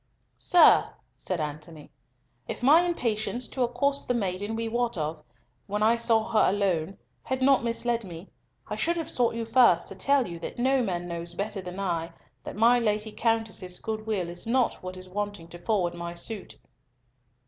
"Sir," said Antony, "if my impatience to accost the maiden we wot of, when I saw her alone, had not misled me, I should have sought you first to tell you that no man knows better than I that my Lady Countess's good will is not what is wanting to forward my suit."